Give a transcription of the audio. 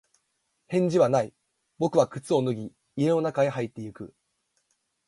返事はない。僕は靴を脱ぎ、家の中に入っていく。